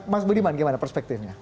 mas budiman gimana perspektifnya